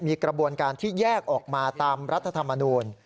มีกระบวนการที่แยกออกมาตามรัฐธรรมนูล